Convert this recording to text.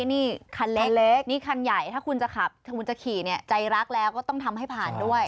นี่คันเล็กนี่คันใหญ่ถ้าคุณจะขับถ้าคุณจะขี่เนี่ยใจรักแล้วก็ต้องทำให้ผ่านด้วย